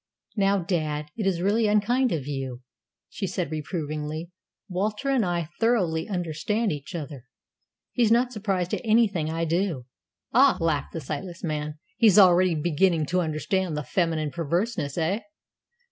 "Now, dad, it is really unkind of you!" she said reprovingly. "Walter and I thoroughly understand each other. He's not surprised at anything I do." "Ah!" laughed the sightless man, "he's already beginning to understand the feminine perverseness, eh?